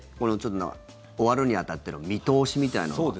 終わるに当たっての見通しみたいなのは。